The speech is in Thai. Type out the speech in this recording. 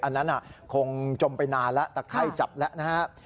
อันนั้นคงจมไปนานแล้วตะไข้จับแล้วนะฮะ